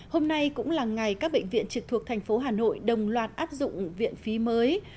hôm nay cũng là ngày các bệnh viện trực thuộc thành phố hà nội đồng loạt áp dụng viện phí mới